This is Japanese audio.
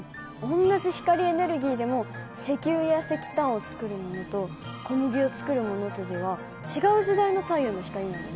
同じ光エネルギーでも石油や石炭を作るものと小麦を作るものとでは違う時代の太陽の光なんだね。